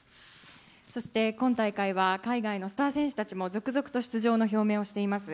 そして今大会は海外のスター選手たちも続々と出場の表明をしています。